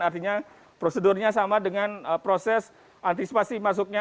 artinya prosedurnya sama dengan proses antisipasi masuknya